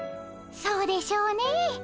そうでしょうね。